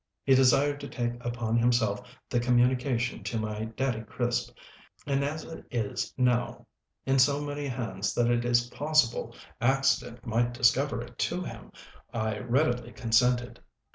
He desired to take upon himself the communication to my Daddy Crisp; and as it is now in so many hands that it is possible accident might discover it to him, I readily consented.